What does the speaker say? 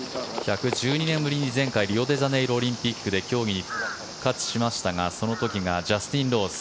１２年ぶりに前回リオデジャネイロオリンピックで競技に復活しましたがその時がジャスティン・トーマス。